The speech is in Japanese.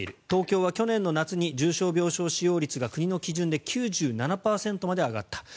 東京は去年の夏に重症病床使用率が国の基準で９７％まで上がった。